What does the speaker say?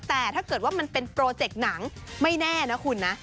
แต่ถ้าเกิดว่ามันเป็นโปรเจกต์หนังไม่แน่นะคุณนะ